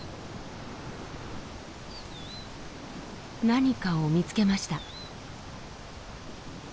何かを見つけました。